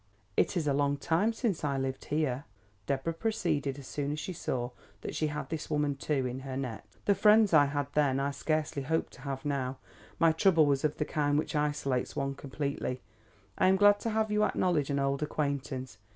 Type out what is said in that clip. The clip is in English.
"It is a long time since I lived here," Deborah proceeded as soon as she saw that she had this woman, too, in her net. "The friends I had then, I scarcely hope to have now; my trouble was of the kind which isolates one completely. I am glad to have you acknowledge an old acquaintance.